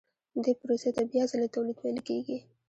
دې پروسې ته بیا ځلي تولید ویل کېږي